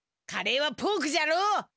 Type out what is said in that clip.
カレーはポークじゃろ？